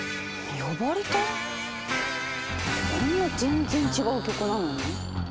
こんな全然違う曲なのに？